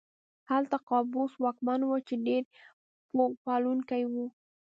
هلته قابوس واکمن و چې ډېر پوه پالونکی و.